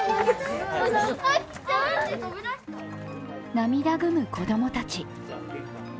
涙ぐむ子供たち。